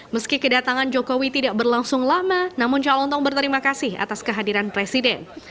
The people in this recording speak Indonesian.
meski kedatangan jokowi tidak berlangsung lama namun cak lontong berterima kasih atas kehadiran presiden